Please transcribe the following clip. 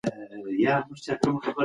د زردالو باغ اوس ثمر ته رسېدلی دی.